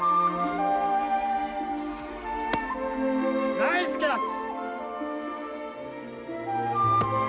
ナイスキャッチ！